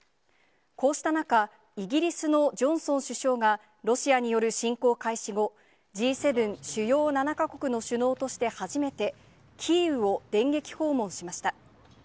こうした中、イギリスのジョンソン首相が、ロシアによる侵攻開始後、Ｇ７・主要７か国の首脳として初めて、キーウを電撃訪問しました。